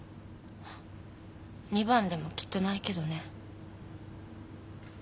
２番でもきっとないけどね。